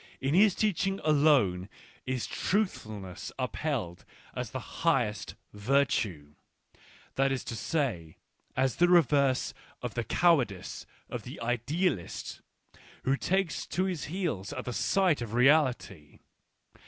In his teaching alone is truthfulness upheld as the highest virtue — that is to say, as the reverse of the cowardice of the " idealist " who takes to his heels at the sight of reality.